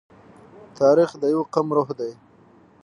تاریخ د یوه قوم روح دی.